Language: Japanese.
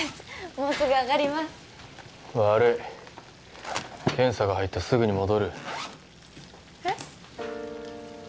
もうすぐ揚がります悪い検査が入ったすぐに戻るえっ？